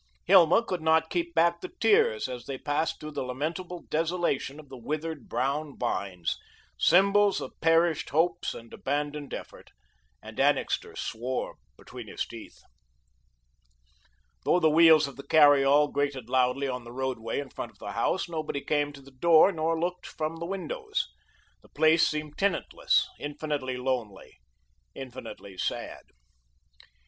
Hilma could not keep back the tears as they passed through the lamentable desolation of the withered, brown vines, symbols of perished hopes and abandoned effort, and Annixter swore between his teeth. Though the wheels of the carry all grated loudly on the roadway in front of the house, nobody came to the door nor looked from the windows. The place seemed tenantless, infinitely lonely, infinitely sad.